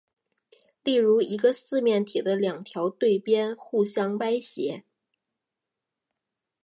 例如一个四面体的两条对边互相歪斜。